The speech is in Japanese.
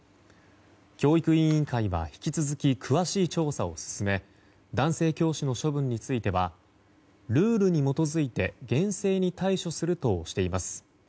教育委員会は引き続き詳しい調査を進め男性教師の処分についてはルールに基づいて厳正に対処するとしています。